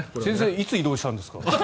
いつ移動したんですか？